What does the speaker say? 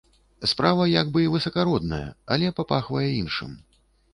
Справа як бы і высакародная, але папахвае іншым.